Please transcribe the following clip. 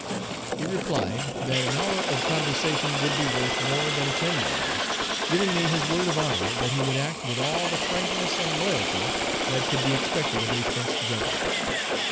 He replied, that an hour of conversation would be worth more than ten letters, giving me his word of honor that he would act with all the frankness and loyalty that could Page 312 be expected of a French general.